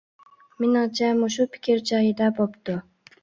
مېنىڭچە، مۇشۇ پىكىر جايىدا بوپتۇ.